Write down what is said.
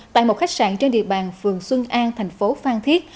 tại một khách sạn trên địa bàn phường xuân an thành phố phan thiết